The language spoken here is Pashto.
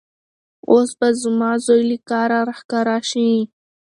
اوس به زما زوی له کاره راښکاره شي.